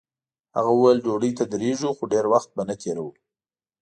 هغه ویل ډوډۍ ته درېږو خو ډېر وخت به نه تېروو.